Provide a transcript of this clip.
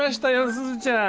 すずちゃん。